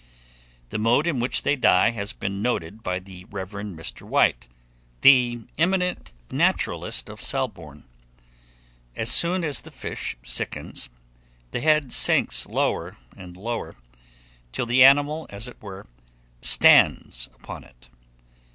The mode in which they die has been noted by the Rev. Mr. White, the eminent naturalist of Selbourne. As soon as the fish sickens, the head sinks lower and lower, till the animal, as it were, stands upon it.